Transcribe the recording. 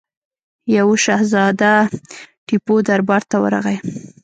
یوه شهزاده ټیپو دربار ته ورغی.